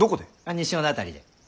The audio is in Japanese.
西尾の辺りで。